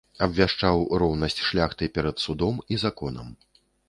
Абвяшчаў роўнасць шляхты перад судом і законам.